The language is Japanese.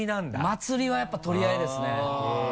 祭りはやっぱ取り合いですね。